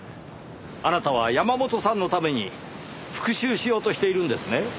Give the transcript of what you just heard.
あなたは山本さんのために復讐しようとしているんですね。